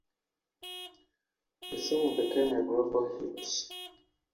The song became a global hit.